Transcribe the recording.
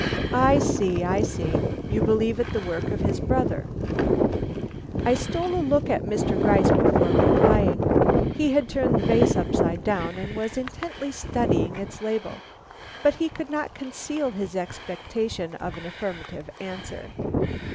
"I see, I see. You believe it the work of his brother." I stole a look at Mr. Gryce before replying. He had turned the vase upside down, and was intently studying its label; but he could not conceal his expectation of an affirmative answer.